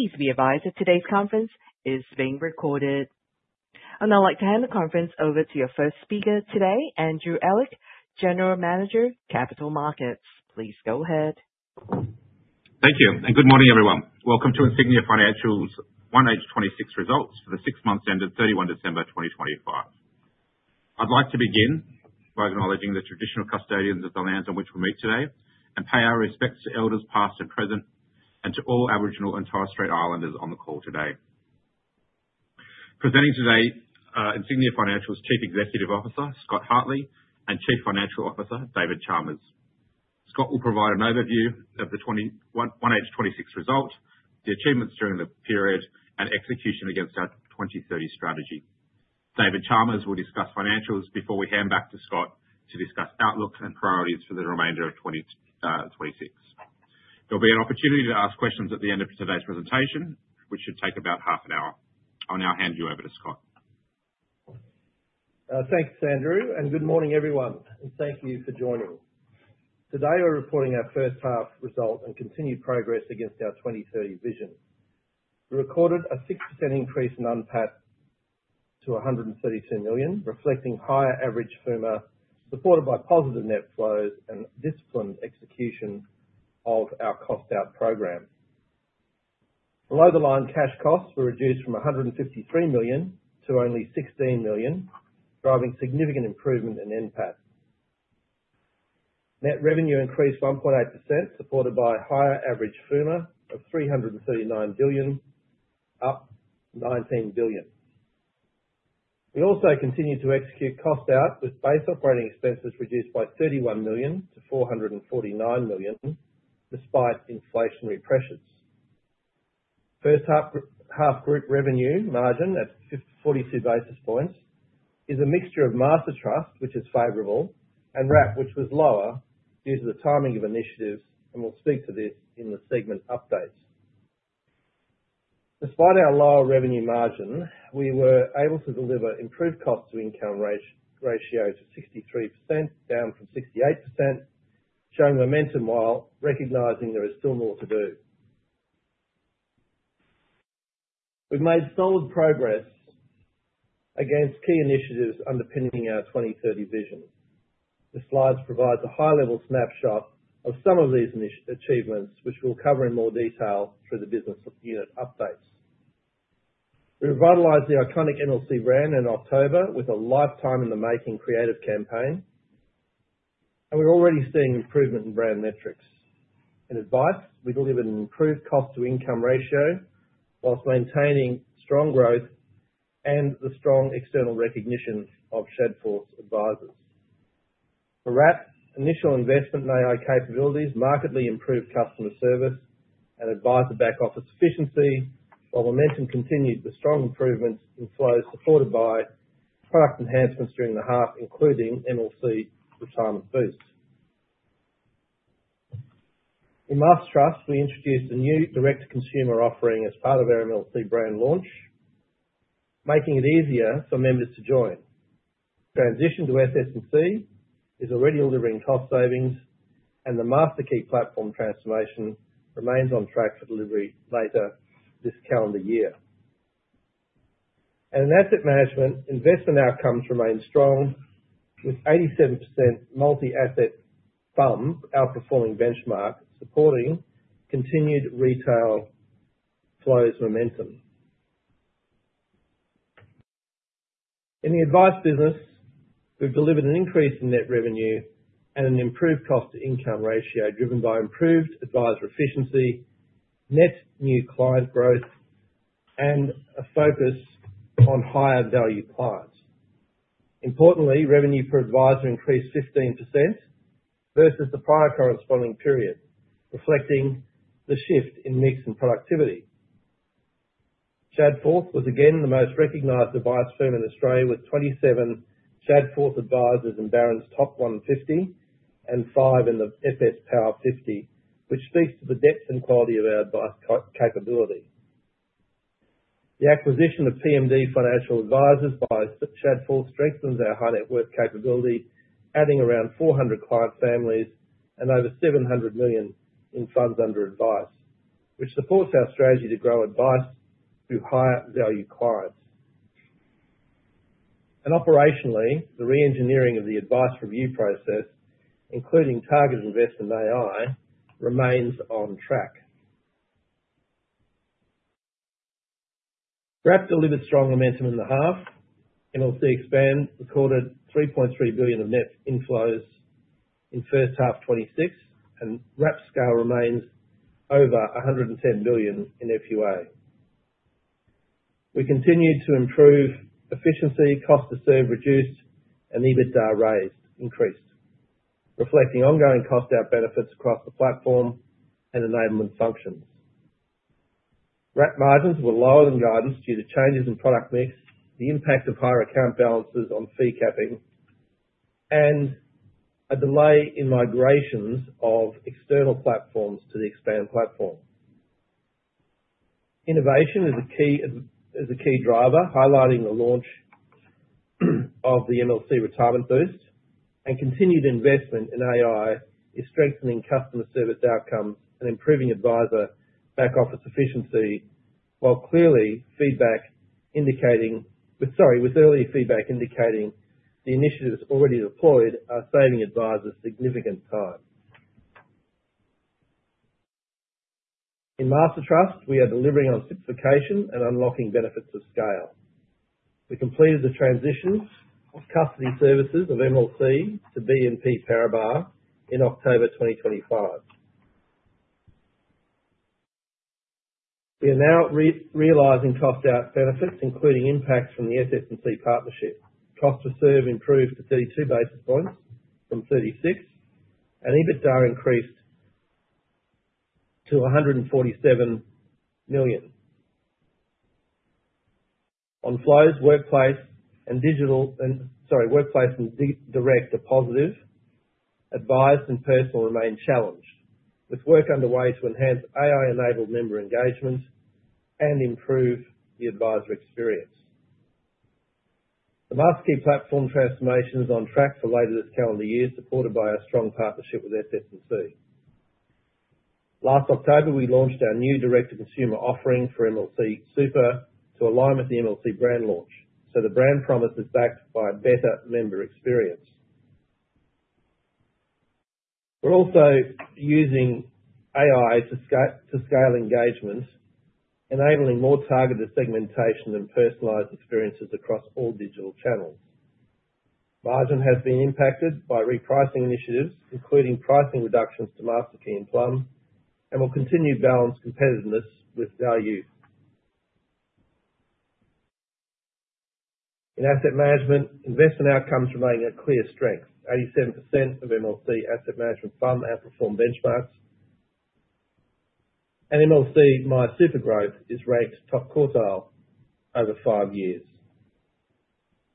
Please be advised that today's conference is being recorded. I'd now like to hand the conference over to your first speaker today, Andrew Ehlich, General Manager, Capital Markets. Please go ahead. Thank you, and good morning, everyone. Welcome to Insignia Financial's 1H 2026 results for the six months ending 31 December 2025. I'd like to begin by acknowledging the traditional custodians of the lands on which we meet today, and pay our respects to elders, past and present, and to all Aboriginal and Torres Strait Islanders on the call today. Presenting today, Insignia Financial's Chief Executive Officer, Scott Hartley, and Chief Financial Officer, David Chalmers. Scott will provide an overview of the 1H 2026 result, the achievements during the period, and execution against our 2030 strategy. David Chalmers will discuss financials before we hand back to Scott to discuss outlook and priorities for the remainder of 2026. There'll be an opportunity to ask questions at the end of today's presentation, which should take about half an hour. I'll now hand you over to Scott. Thanks, Andrew, and good morning, everyone, and thank you for joining. Today, we're reporting our first half results and continued progress against our 2030 vision. We recorded a 6% increase in UNPAT to 132 million, reflecting higher average FUMA, supported by positive net flows and disciplined execution of our cost out program. Below-the-line cash costs were reduced from 153 million to only 16 million, driving significant improvement in NPAT. Net revenue increased 1.8%, supported by higher average FUMA of 339 billion, up 19 billion. We also continued to execute cost out, with base operating expenses reduced by 31 million to 449 million, despite inflationary pressures. First half group revenue margin, at 42 basis points, is a mixture of Master Trust, which is favorable, and Wrap, which was lower due to the timing of initiatives, and we'll speak to this in the segment updates. Despite our lower revenue margin, we were able to deliver improved cost-to-income ratios of 63%, down from 68%, showing momentum while recognizing there is still more to do. We've made solid progress against key initiatives underpinning our 2030 vision. The slides provide a high-level snapshot of some of these achievements, which we'll cover in more detail through the business unit updates. We revitalized the iconic MLC brand in October with a Lifetime in the Making creative campaign, and we're already seeing improvement in brand metrics. In Advice, we delivered an improved cost-to-income ratio while maintaining strong growth and the strong external recognition of Shadforth advisers. For Wrap, initial investment in AI capabilities markedly improved customer service and adviser back office efficiency, while momentum continued the strong improvements in flows supported by product enhancements during the half, including MLC Retirement Boost. In Master Trust, we introduced a new direct-to-consumer offering as part of our MLC brand launch, making it easier for members to join. Transition to SS&C is already delivering cost savings, and the MasterKey platform transformation remains on track for delivery later this calendar year. In Asset Management, investment outcomes remain strong, with 87% multi-asset funds outperforming benchmark, supporting continued retail flows momentum. In the Advice business, we've delivered an increase in net revenue and an improved cost-to-income ratio, driven by improved adviser efficiency, net new client growth, and a focus on higher value clients. Importantly, revenue per adviser increased 15% versus the prior corresponding period, reflecting the shift in mix and productivity. Shadforth was again the most recognized advice firm in Australia, with 27 Shadforth advisers in Barron's Top 150 and five in the FS Power50, which speaks to the depth and quality of our advice capability. The acquisition of PMD Financial Advisers by Shadforth strengthens our high net worth capability, adding around 400 client families and over 700 million in funds under advice, which supports our strategy to grow advice through higher value clients. Operationally, the reengineering of the advice review process, including targeted investment AI, remains on track. Wrap delivered strong momentum in the half. MLC, Expand recorded 3.3 billion of net inflows in first half 2026, and Wrap scale remains over 110 billion in FUA. We continued to improve efficiency, cost-to-serve reduced, and EBITDA raised, increased, reflecting ongoing cost out benefits across the platform and enablement functions. Wrap margins were lower than guidance due to changes in product mix, the impact of higher account balances on fee capping, and a delay in migrations of external platforms to the Expand platform. Innovation is a key, is, is a key driver, highlighting the launch of the MLC Retirement Boost and continued investment in AI is strengthening customer service outcomes and improving adviser back office efficiency, while clearly feedback indicating, with, sorry, with early feedback indicating the initiatives already deployed are saving advisers significant time. In Master Trust, we are delivering on simplification and unlocking benefits of scale. We completed the transitions of custody services of MLC to BNP Paribas in October 2025. We are now realizing cost out benefits, including impacts from the SS&C partnership. Cost-to-serve improved to 32 basis points from 36, and EBITDA increased to AUD 147 million. On flows, workplace and direct are positive. Advised and personal remain challenged, with work underway to enhance AI-enabled member engagement and improve the adviser experience. The MasterKey platform transformation is on track for later this calendar year, supported by our strong partnership with SS&C. Last October, we launched our new direct-to-consumer offering for MLC Super to align with the MLC brand launch, so the brand promise is backed by a better member experience. We're also using AI to scale engagement, enabling more targeted segmentation and personalized experiences across all digital channels. Margin has been impacted by repricing initiatives, including pricing reductions to MasterKey and Plum, and will continue to balance competitiveness with value. In Asset Management, investment outcomes remain a clear strength. 87% of MLC Asset Management funds outperform benchmarks. MLC MySuper Growth is ranked top quartile over five years.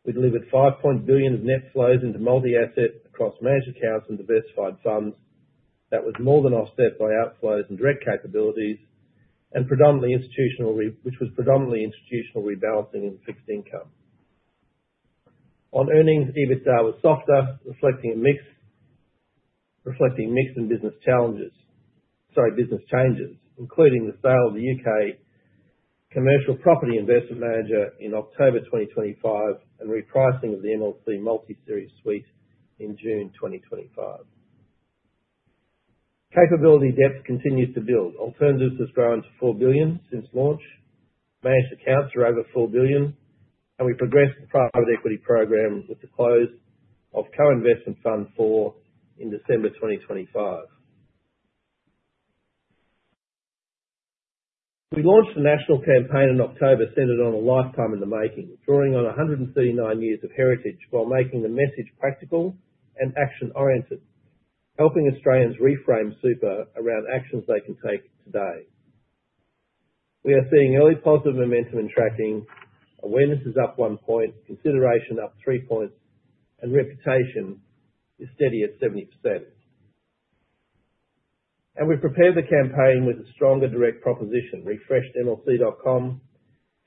We delivered 5 billion of net flows into multi-asset across managed accounts and diversified funds. That was more than offset by outflows and direct capabilities, and predominantly institutionally... which was predominantly institutional rebalancing in fixed income. On earnings, EBITDA was softer, reflecting a mix, reflecting mix and business challenges - sorry, business changes, including the sale of the U.K. commercial property investment manager in October 2025, and repricing of the MLC MultiSeries suite in June 2025. Capability depth continues to build. Alternatives has grown to 4 billion since launch. Managed accounts are over 4 billion, and we progressed the private equity program with the close of co-investment Fund IV in December 2025. We launched a national campaign in October centered on a Lifetime in the Making, drawing on 139 years of heritage while making the message practical and action-oriented, helping Australians reframe super around actions they can take today. We are seeing early positive momentum and tracking. Awareness is up 1 point, consideration up 3 points, and reputation is steady at 70%. We've prepared the campaign with a stronger direct proposition, refreshed MLC.com,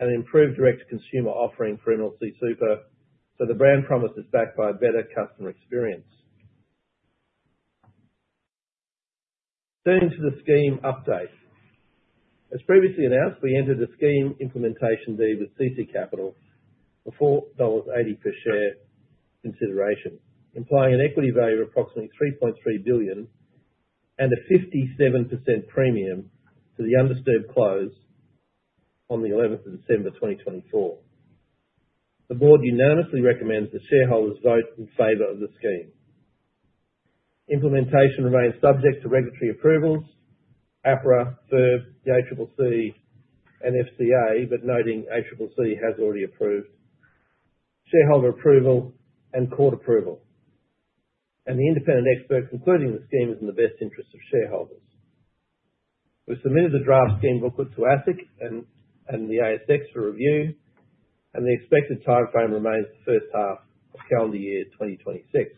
and improved direct-to-consumer offering for MLC Super, so the brand promise is backed by a better customer experience. Turning to the scheme update. As previously announced, we entered a Scheme Implementation Deed with CC Capital for 4.80 dollars per share consideration, implying an equity value of approximately 3.3 billion, and a 57% premium to the undisturbed close on the 11th of December, 2024. The board unanimously recommends that shareholders vote in favor of the scheme. Implementation remains subject to regulatory approvals, APRA, FIRB, the ACCC, and FCA, but noting ACCC has already approved, shareholder approval and court approval, and the independent experts concluding the scheme is in the best interest of shareholders. We submitted a draft scheme booklet to ASIC and the ASX for review, and the expected timeframe remains the first half of calendar year 2026.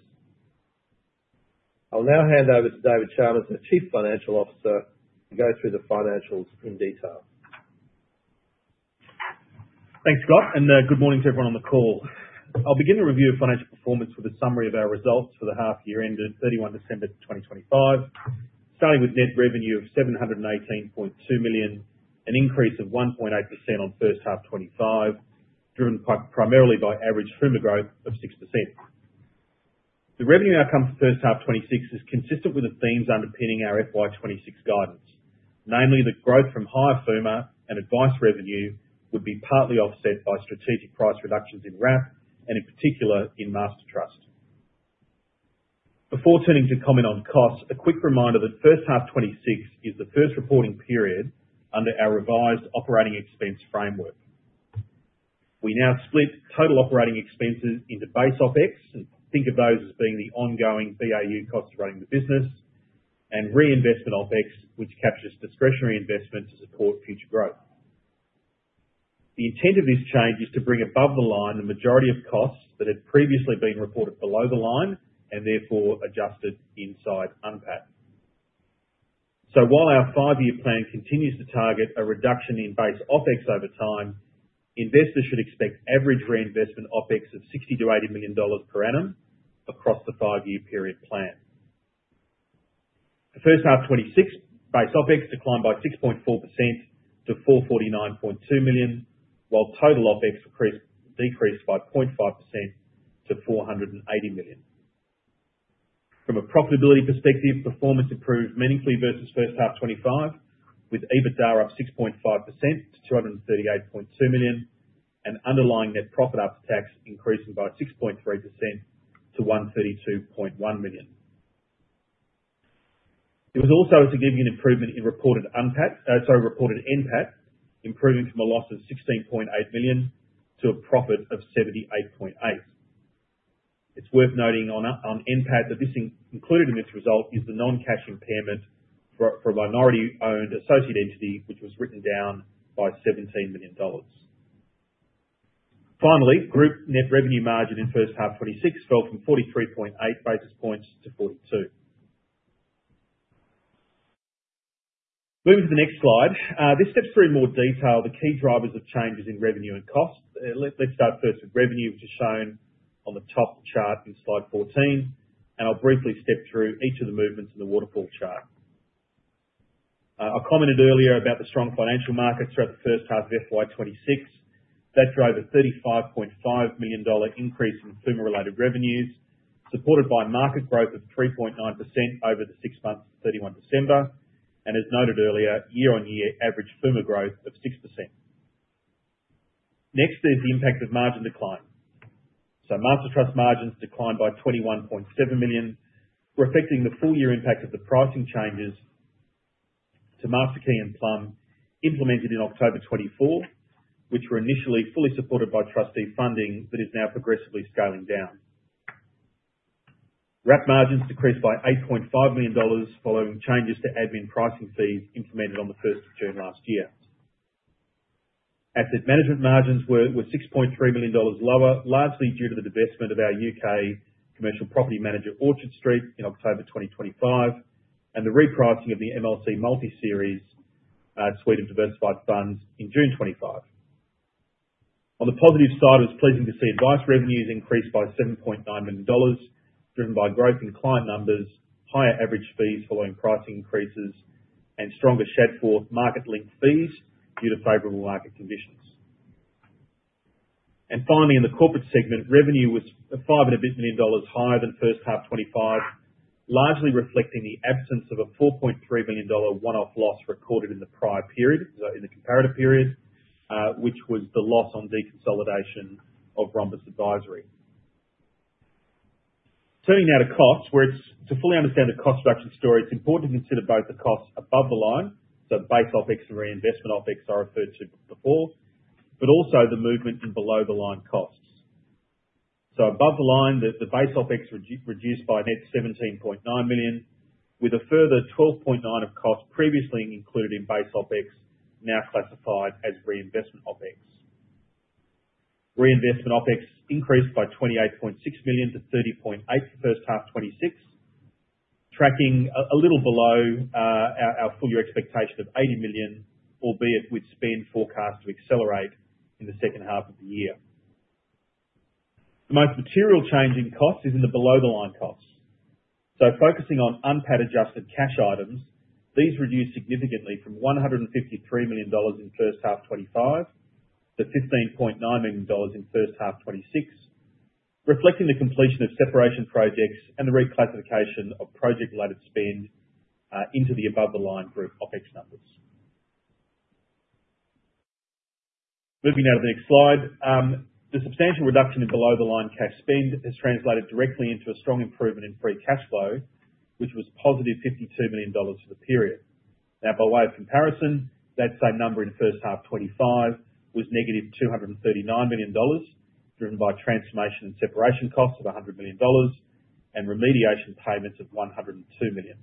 I'll now hand over to David Chalmers, our Chief Financial Officer, to go through the financials in detail. Thanks, Scott, and good morning to everyone on the call. I'll begin the review of financial performance with a summary of our results for the half year ended 31 December 2025. Starting with net revenue of 718.2 million, an increase of 1.8% on first half 2025, driven by, primarily by average FUMA growth of 6%. The revenue outcome for first half 2026 is consistent with the themes underpinning our FY 2026 guidance, namely that growth from higher FUMA and advice revenue would be partly offset by strategic price reductions in wrap and, in particular, in Master Trust. Before turning to comment on costs, a quick reminder that first half 2026 is the first reporting period under our revised operating expense framework. We now split total operating expenses into base OpEx, and think of those as being the ongoing BAU costs of running the business, and reinvestment OpEx, which captures discretionary investments to support future growth. The intent of this change is to bring above the line the majority of costs that had previously been reported below the line, and therefore adjusted inside UNPAT. So while our five-year plan continues to target a reduction in base OpEx over time, investors should expect average reinvestment OpEx of 60 million-80 million dollars per annum across the five-year period plan. The first half 2026 base OpEx declined by 6.4% to 449.2 million, while total OpEx decreased by 0.5% to 480 million. From a profitability perspective, performance improved meaningfully versus first half 2025, with EBITDA up 6.5% to 238.2 million, and underlying net profit after tax increasing by 6.3% to 132.1 million. There was also, to give you an improvement in reported UNPAT, sorry, reported NPAT, improving from a loss of 16.8 million to a profit of 78.8 million. It's worth noting on NPAT, that included in this result is the non-cash impairment for a minority-owned associate entity, which was written down by 17 million dollars. Finally, group net revenue margin in first half 2026 fell from 43.8 basis points to 42. Moving to the next slide. This steps through in more detail, the key drivers of changes in revenue and costs. Let’s start first with revenue, which is shown on the top chart in slide 14, and I’ll briefly step through each of the movements in the waterfall chart. I commented earlier about the strong financial markets throughout the first half of FY 2026. That drove an 35.5 million dollar increase in FUMA-related revenues, supported by market growth of 3.9% over the six months to 31 December, and as noted earlier, year-on-year average FUMA growth of 6%. Next is the impact of margin decline. Master Trust margins declined by 21.7 million, reflecting the full year impact of the pricing changes to MasterKey and Plum, implemented in October 2024, which were initially fully supported by trustee funding, but is now progressively scaling down. Wrap margins decreased by 8.5 million dollars following changes to admin pricing fees implemented on the first of June last year. Asset Management margins were 6.3 million dollars lower, largely due to the divestment of our U.K. commercial property manager, Orchard Street, in October 2025, and the repricing of the MLC MultiSeries, suite of diversified funds in June 2025. On the positive side, it's pleasing to see advice revenues increase by 7.9 million dollars, driven by growth in client numbers, higher average fees following pricing increases, and stronger schedule market-linked fees due to favorable market conditions. Finally, in the corporate segment, revenue was 5 million and a bit higher than first half 2025, largely reflecting the absence of an 4.3 million dollar one-off loss recorded in the prior period, in the comparative period, which was the loss on deconsolidation of Rhombus Advisory. Turning now to costs, where it's... To fully understand the cost reduction story, it's important to consider both the costs above the line, so base OpEx and reinvestment OpEx I referred to before, but also the movement in below-the-line costs. Above the line, the base OpEx reduced by net 17.9 million, with a further 12.9 million of costs previously included in base OpEx, now classified as reinvestment OpEx. Reinvestment OpEx increased by 28.6 million to 30.8 million for first half 2026, tracking a little below our full year expectation of 80 million, albeit with spend forecast to accelerate in the second half of the year. The most material change in costs is in the below-the-line costs. Focusing on UNPAT adjusted cash items, these reduced significantly from 153 million dollars in first half 2025 to 15.9 million dollars in first half 2026, reflecting the completion of separation projects and the reclassification of project-related spend into the above-the-line group OpEx numbers. Moving now to the next slide. The substantial reduction in below-the-line cash spend has translated directly into a strong improvement in free cash flow, which was +52 million dollars for the period. Now, by way of comparison, that same number in first half 2025 was -239 million dollars, driven by transformation and separation costs of 100 million dollars, and remediation payments of 102 million.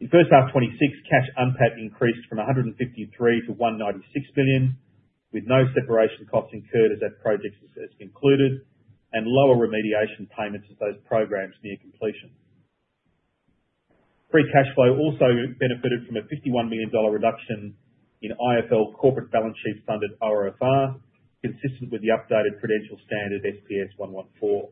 In first half 2026, cash UNPAT increased from 153 to 196 million, with no separation costs incurred as that project is included, and lower remediation payments as those programs near completion. Free cash flow also benefited from a 51 million dollar reduction in IFL corporate balance sheet funded ORFR, consistent with the updated Prudential Standard SPS 114.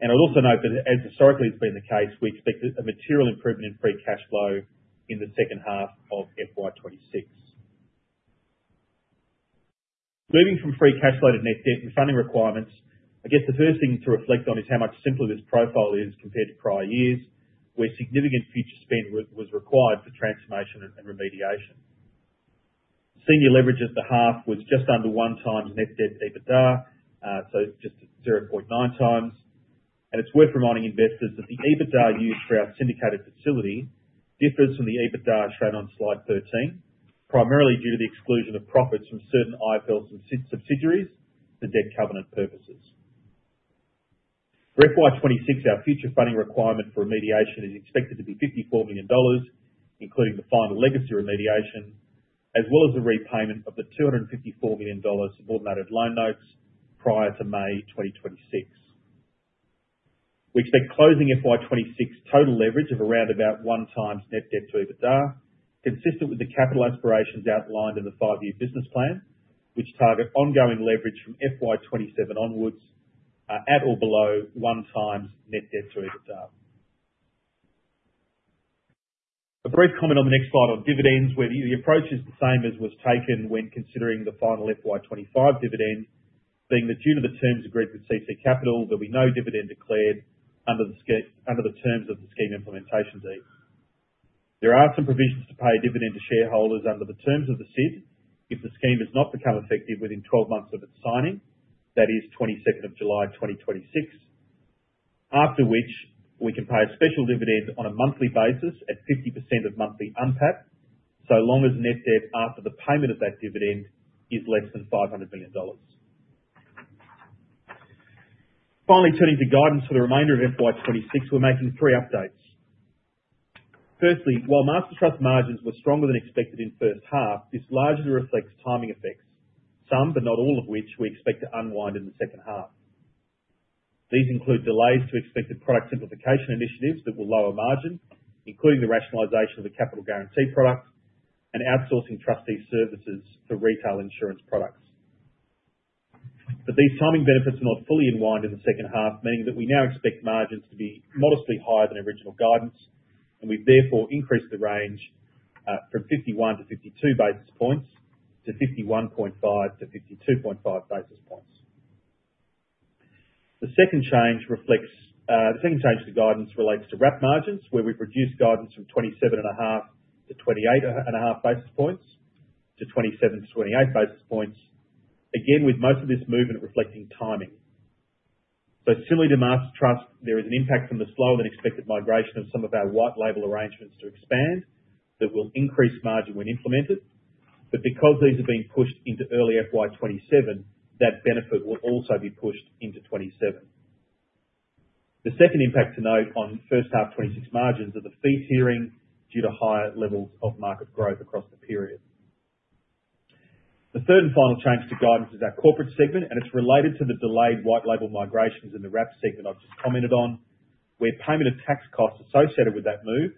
I'd also note that as historically has been the case, we expect a material improvement in free cash flow in the second half of FY 2026. Moving from free cash flow to net debt and funding requirements, I guess the first thing to reflect on is how much simpler this profile is compared to prior years, where significant future spend was required for transformation and remediation. Senior leverage at the half was just under 1x net debt to EBITDA, so just 0.9x. It's worth reminding investors that the EBITDA used for our syndicated facility differs from the EBITDA shown on Slide 13, primarily due to the exclusion of profits from certain IFL and subsidiaries for debt covenant purposes. For FY 2026, our future funding requirement for remediation is expected to be 54 million dollars, including the final legacy remediation, as well as the repayment of the 254 million dollars subordinated loan notes prior to May 2026. We expect closing FY 2026 total leverage of around about 1x net debt to EBITDA, consistent with the capital aspirations outlined in the 5-year business plan, which target ongoing leverage from FY 2027 onwards, at or below 1x net debt to EBITDA. A brief comment on the next slide on dividends, where the approach is the same as was taken when considering the final FY 2025 dividend, being that due to the terms agreed with CC Capital, there'll be no dividend declared under the terms of the Scheme Implementation Deed. There are some provisions to pay a dividend to shareholders under the terms of the SID, if the scheme does not become effective within 12 months of its signing, that is 22nd of July 2026. After which, we can pay a special dividend on a monthly basis at 50% of monthly UNPAT, so long as net debt after the payment of that dividend is less than 500 million dollars. Finally, turning to guidance for the remainder of FY 2026, we're making three updates. Firstly, while Master Trust's margins were stronger than expected in first half, this largely reflects timing effects, some, but not all of which, we expect to unwind in the second half. These include delays to expected product simplification initiatives that will lower margin, including the rationalization of the capital guarantee product and outsourcing trustee services for retail insurance products. But these timing benefits are not fully unwind in the second half, meaning that we now expect margins to be modestly higher than original guidance, and we've therefore increased the range from 51-52 basis points to 51.5-52.5 basis points. The second change reflects the second change to guidance relates to Wrap margins, where we've reduced guidance from 27.5-28.5 basis points to 27-28 basis points, again, with most of this movement reflecting timing. But similarly to Master Trust, there is an impact from the slower than expected migration of some of our white label arrangements to Expand, that will increase margin when implemented. But because these are being pushed into early FY 2027, that benefit will also be pushed into 2027. The second impact to note on first half 2026 margins are the fee tiering, due to higher levels of market growth across the period. The third and final change to guidance is our corporate segment, and it's related to the delayed white label migrations in the Wrap segment I've just commented on, where payment of tax costs associated with that move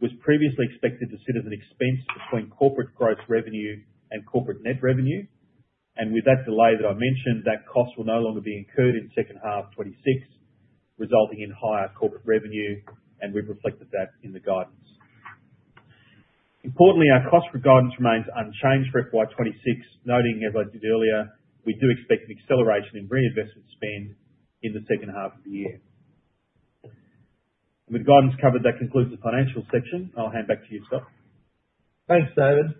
was previously expected to sit as an expense between corporate gross revenue and corporate net revenue. With that delay that I mentioned, that cost will no longer be incurred in second half 2026, resulting in higher corporate revenue, and we've reflected that in the guidance. Importantly, our cost for guidance remains unchanged for FY 2026, noting as I did earlier, we do expect an acceleration in reinvestment spend in the second half of the year. With guidance covered, that concludes the financial section. I'll hand back to you, Scott. Thanks, David.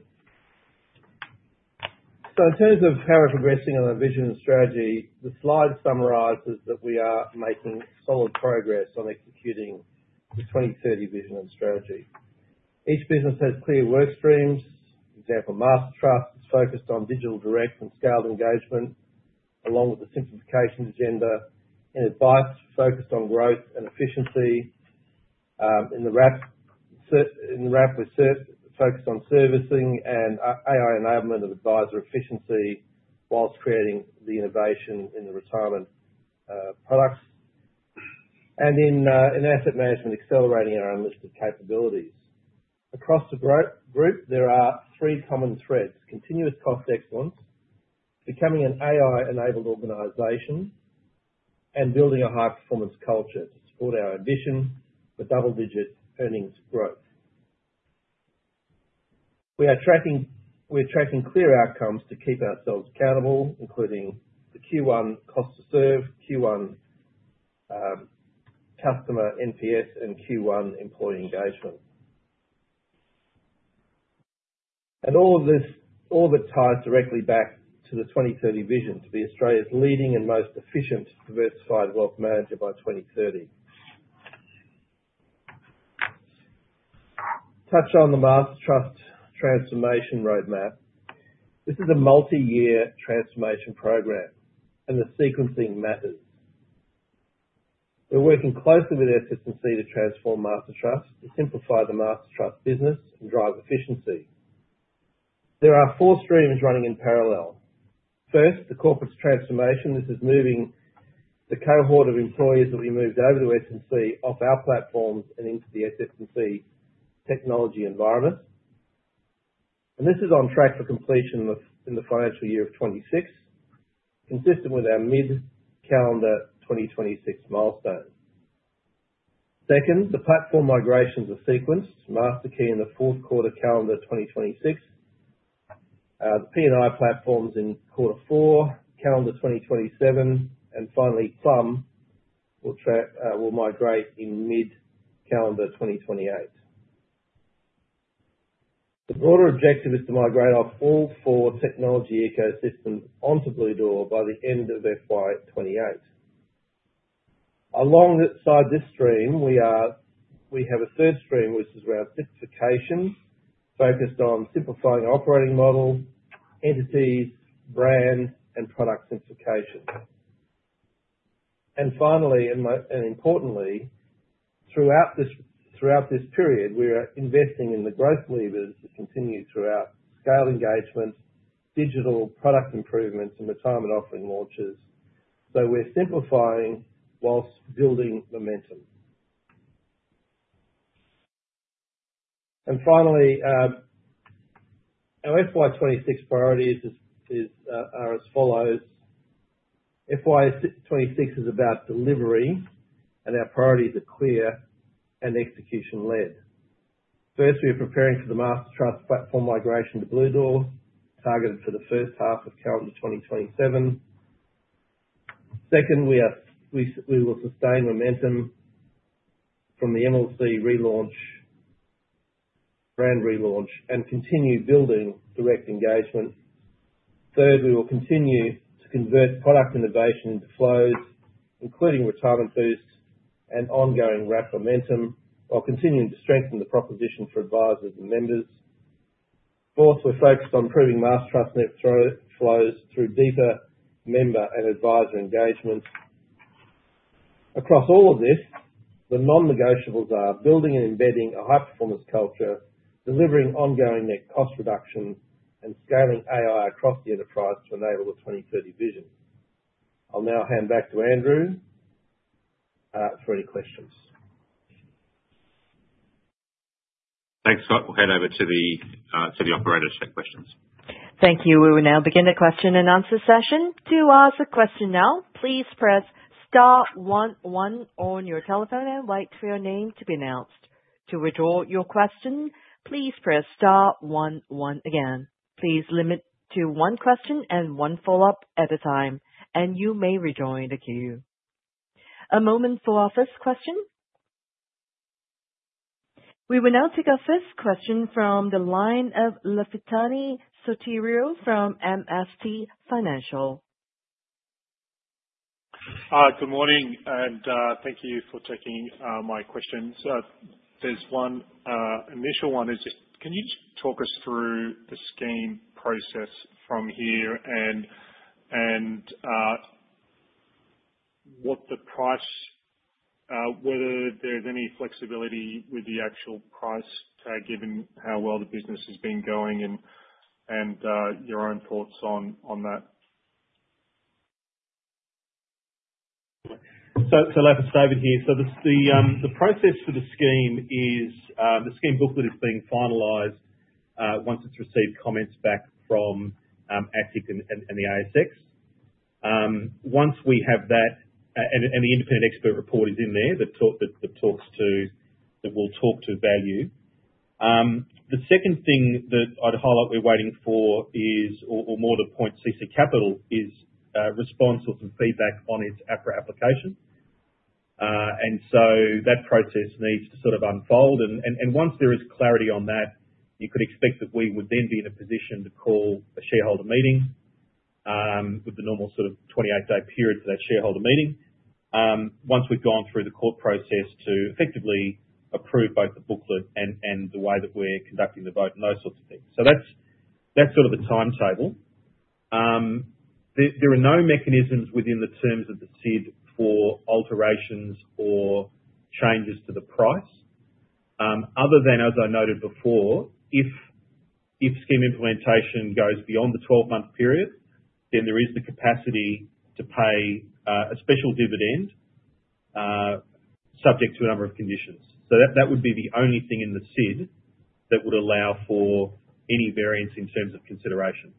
So in terms of how we're progressing on our vision and strategy, the slide summarizes that we are making solid progress on executing the 2030 vision and strategy. Each business has clear work streams. For example, Master Trust is focused on digital direct and scaled engagement, along with the simplification agenda, and Advice focused on growth and efficiency. In the Wrap, we're focused on servicing and AI enablement of adviser efficiency, whilst creating the innovation in the retirement products. And in Asset Management, accelerating our unlisted capabilities. Across the group, there are three common threads: continuous cost excellence, becoming an AI-enabled organization, and building a high performance culture to support our ambition for double-digit earnings growth. We are tracking, we're tracking clear outcomes to keep ourselves accountable, including the Q1 cost-to-serve, Q1, customer NPS, and Q1 employee engagement. And all of this, all of it ties directly back to the 2030 vision, to be Australia's leading and most efficient diversified wealth manager by 2030. Touch on the Master Trust transformation roadmap. This is a multi-year transformation program, and the sequencing matters. We're working closely with SS&C to transform Master Trust, to simplify the Master Trust business and drive efficiency. There are four streams running in parallel. First, the corporates transformation. This is moving the cohort of employees that'll be moved over to SS&C off our platforms and into the SS&C technology environment. And this is on track for completion in the financial year of 2026, consistent with our mid-calendar 2026 milestone. Second, the platform migrations are sequenced. MasterKey in the fourth quarter, calendar 2026. The P&I platforms in quarter four, calendar 2027. And finally, Plum will migrate in mid-calendar 2028. The broader objective is to migrate all four technology ecosystems onto Bluedoor by the end of FY 2028. Alongside this stream, we have a third stream, which is around simplification, focused on simplifying operating models, entities, brand, and product simplification. And finally, and importantly, throughout this period, we are investing in the growth levers to continue through our scale engagement, digital product improvements, and retirement offering launches. So we're simplifying while building momentum. And finally, our FY 2026 priorities are as follows: FY 2026 is about delivery, and our priorities are clear and execution led. First, we are preparing for the Master Trust platform migration to Bluedoor, targeted for the first half of calendar 2027. Second, we will sustain momentum from the MLC relaunch, brand relaunch, and continue building direct engagement. Third, we will continue to convert product innovation into flows, including Retirement Boosts and ongoing wrap momentum, while continuing to strengthen the proposition for advisers and members. Fourth, we're focused on improving Master Trust net flows through deeper member and adviser engagement. Across all of this, the non-negotiables are building and embedding a high performance culture, delivering ongoing net cost reductions, and scaling AI across the enterprise to enable the 2030 vision. I'll now hand back to Andrew for any questions. Thanks, Scott. We'll hand over to the operator to take questions. Thank you. We will now begin the question and answer session. To ask a question now, please press star one one on your telephone and wait for your name to be announced. To withdraw your question, please press star one one again. Please limit to one question and one follow-up at a time, and you may rejoin the queue. A moment for our first question. We will now take our first question from the line of Lafitani Sotiriou from MST Financial. Good morning, and thank you for taking my questions. There's one initial one is, can you just talk us through the scheme process from here, and, and what the price... whether there's any flexibility with the actual price tag, given how well the business has been going, and, and your own thoughts on, on that? So, Lafi, David here. So the process for the scheme is, the scheme booklet is being finalized, once it's received comments back from ASIC and the ASX. Once we have that, and the independent expert report is in there, that will talk to value. The second thing that I'd highlight we're waiting for is, or more to the point, CC Capital's response or some feedback on its APRA application. And so that process needs to sort of unfold, and once there is clarity on that, you could expect that we would then be in a position to call a shareholder meeting, with the normal sort of 28-day period for that shareholder meeting. Once we've gone through the court process to effectively approve both the booklet and the way that we're conducting the vote and those sorts of things. So that's sort of the timetable. There are no mechanisms within the terms of the SID for alterations or changes to the price, other than, as I noted before, if scheme implementation goes beyond the 12-month period, then there is the capacity to pay a special dividend, subject to a number of conditions. So that would be the only thing in the SID that would allow for any variance in terms of consideration.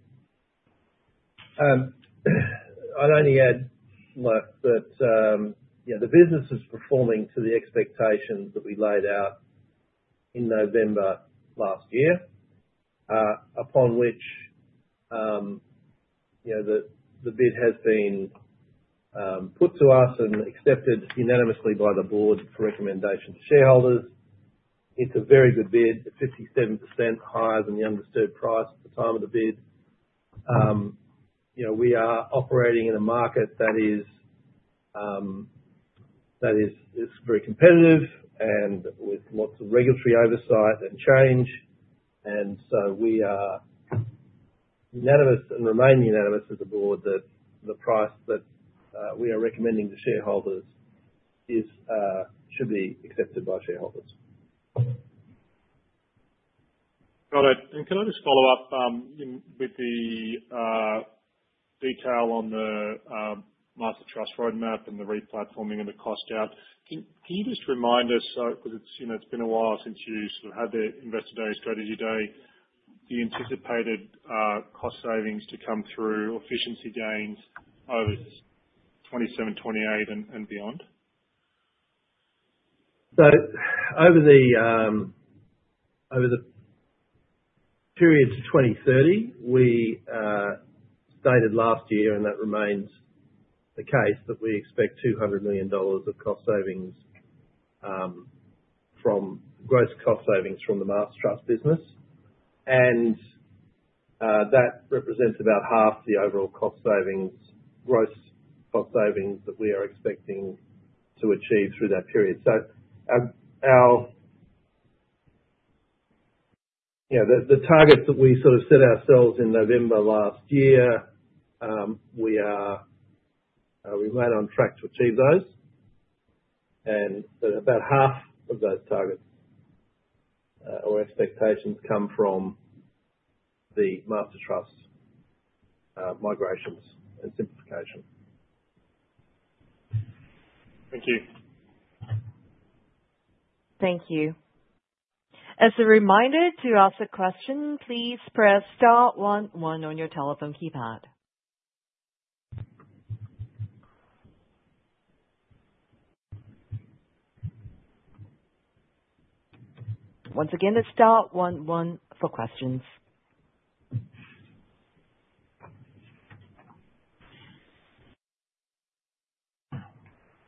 I'd only add, Lafi, that, you know, the business is performing to the expectations that we laid out in November last year, upon which, you know, the bid has been put to us and accepted unanimously by the board for recommendation to shareholders. It's a very good bid, 57% higher than the undisturbed price at the time of the bid. You know, we are operating in a market that is very competitive and with lots of regulatory oversight and change, and so we are unanimous and remain unanimous as a board that the price that we are recommending to shareholders is should be accepted by shareholders. Got it. And can I just follow up, in with the detail on the Master Trust roadmap and the replatforming and the cost out. Can you just remind us, so... because it's, you know, it's been a while since you sort of had the Investor Day, Strategy Day, the anticipated cost savings to come through, efficiency gains over 2027, 2028, and beyond? Over the period to 2030, we stated last year, and that remains the case, that we expect 200 million dollars of cost savings, gross cost savings from the Master Trust business. That represents about half the overall cost savings, gross cost savings that we are expecting to achieve through that period. Our... Yeah, the targets that we sort of set ourselves in November last year, we remain on track to achieve those. About half of those targets or expectations come from the Master Trust migrations and simplification. Thank you. Thank you. As a reminder, to ask a question, please press star one one on your telephone keypad. Once again, it's star one one for questions.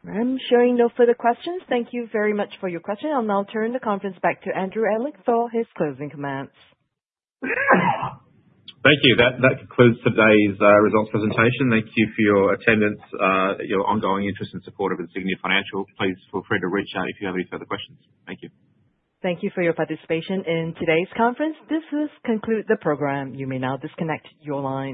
I'm showing no further questions. Thank you very much for your question. I'll now turn the conference back to Andrew Ehlich for his closing comments. Thank you. That concludes today's results presentation. Thank you for your attendance, your ongoing interest and support of Insignia Financial. Please feel free to reach out if you have any further questions. Thank you. Thank you for your participation in today's conference. This does conclude the program. You may now disconnect your line.